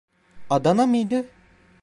Adana mıydı?